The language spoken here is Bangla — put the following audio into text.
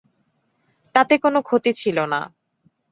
তাতে কোনো ক্ষতি ছিল না।